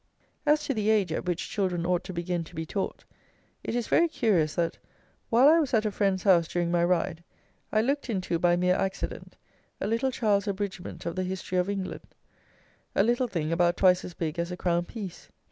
As to the age at which children ought to begin to be taught, it is very curious, that, while I was at a friend's house during my ride, I looked into, by mere accident, a little child's abridgment of the History of England: a little thing about twice as big as a crown piece.